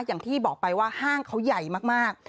อย่างที่บอกไปว่าห้างเขาใหญ่มาก